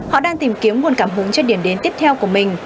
họ đang tìm kiếm nguồn cảm hứng cho điểm đến tiếp theo của mình